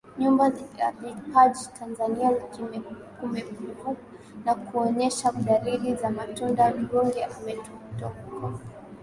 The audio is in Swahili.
nyumba ya vipaji Tanzania kupevuka na kuonyesha dalili za matunda Ruge ametutoka